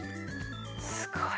すごい。